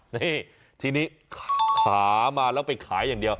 นี่ทีนี้ขามาแล้วไปขายอย่างเดียว